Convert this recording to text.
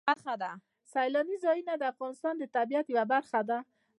سیلاني ځایونه د افغانستان د طبیعت یوه برخه ده.